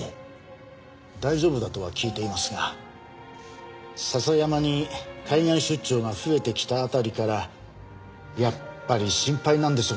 大丈夫だとは聞いていますが笹山に海外出張が増えてきた辺りからやっぱり心配なんでしょうね。